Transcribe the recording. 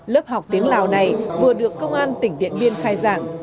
lớp học tiếng lào này vừa được công an tỉnh điện biên khai giảng